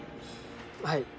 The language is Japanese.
はい。